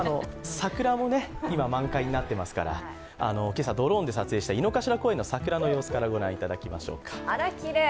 桜も今、満開になってますから今朝、ドローンで撮影した井の頭公園の桜の様子からご覧いただきましょうか。